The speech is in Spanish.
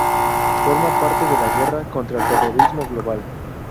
Forma parte de la Guerra Contra el Terrorismo global.